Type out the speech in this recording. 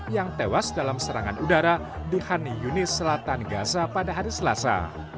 yang tewas dalam serangan udara di hani yunis selatan gaza pada hari selasa